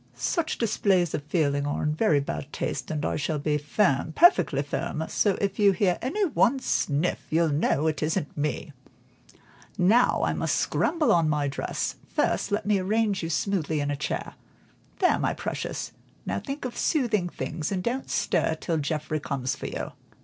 Such displays of feeling are in very bad taste, and I shall be firm, perfectly firm, so if you hear any one sniff you'll know it isn't me. Now I must go and scramble on my dress; first, let me arrange you smoothly in a chair. There, my precious, now think of soothing things, and don't stir till Geoffrey comes for you."